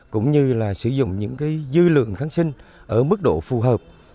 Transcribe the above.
cũng như sử dụng những dư lượng kháng sinh